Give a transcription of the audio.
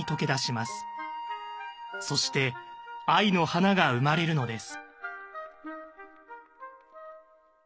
そして藍の華が生まれるのです。